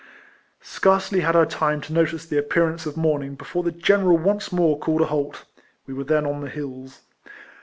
Scarcety had I time to notice the appearance of morning before the general once more called a halt — we were then on the hills.